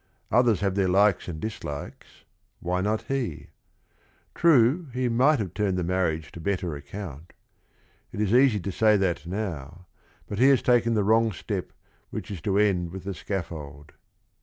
Others have tn eir likes an ^ r^ l <alilfpg r 3ghy not he? True, he might have turned the mar riage" to better account. It is easy to say that now, but he has taken the wrong step which is to end with the scaffold.